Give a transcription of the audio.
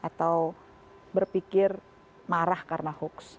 atau berpikir marah karena hoax